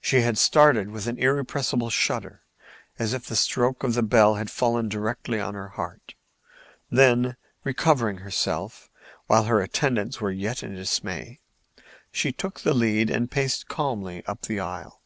She had started with an irrepressible shudder, as if the stroke of the bell had fallen directly on her heart; then, recovering herself, while her attendants were yet in dismay, she took the lead and paced calmly up the aisle.